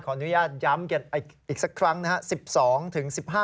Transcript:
ขออนุญาตย้ำเก็บอีกสักครั้งนะฮะ